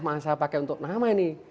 maaf saya pakai untuk nama ini